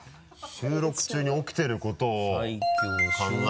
収録中におきてることを考え。